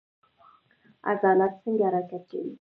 عضلات څنګه حرکت کوي؟